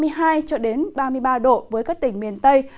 mức ba mươi hai cho đến ba mươi ba độ với các tỉnh miền tây